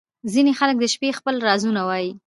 • ځینې خلک د شپې خپل رازونه وایې.